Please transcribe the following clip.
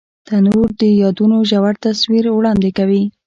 تنور د یادونو ژور تصویر وړاندې کوي